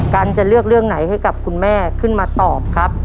กันจะเลือกเรื่องไหนให้กับคุณแม่ขึ้นมาตอบครับ